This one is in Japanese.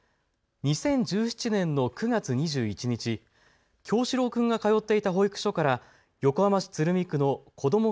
２０１７年の９月２１日、叶志郎君が通っていた保育所から横浜市鶴見区のこども